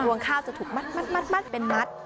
วงข้าวจะถูกมัดเป็นมัด